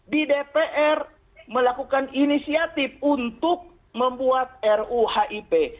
di dpr melakukan inisiatif untuk membuat ruhip